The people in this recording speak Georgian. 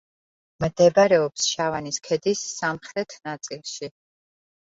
მდებარეობს შავანის ქედის სამხრეთ ნაწილში.